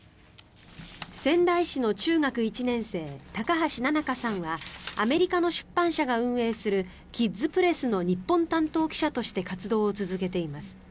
仙台市の中学１年生高橋ななかさんはアメリカの出版社が運営するキッズプレスの日本担当記者として活動を続けています。